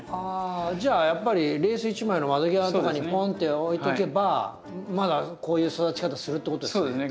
あじゃあやっぱりレース一枚の窓際とかにポンって置いとけばまだこういう育ち方するってことですよね。